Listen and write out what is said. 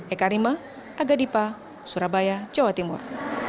eka rime aga dipa surabaya jawa timur